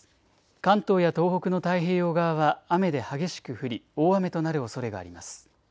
関東や東北の太平洋側は雨で激しく降り大雨となるおそれがあります。